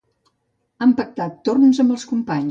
Han pactat torns amb els companys.